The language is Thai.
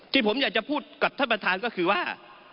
ที่ผมอยากจะพูดกับท่านประธานก็คือว่า